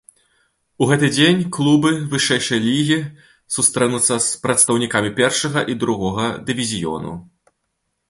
У гэты дзень клубы вышэйшай лігі сустрэнуцца з прадстаўнікамі першага і другога дывізіёну.